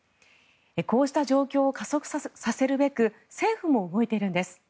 こうした状況を加速させるべく政府も動いているんです。